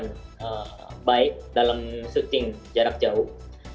yang baik dalam menangkan pertandingan jarak jauh